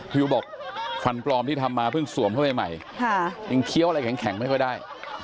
วิวบอกฟันปลอมที่ทำมาเพิ่งสวมเข้าไปใหม่ยังเคี้ยวอะไรแข็งไม่ค่อยได้